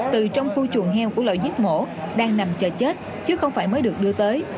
từ trong khu chuồng heo của loại giết mổ đang nằm chờ chết chứ không phải mới được đưa tới